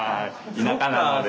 田舎なので。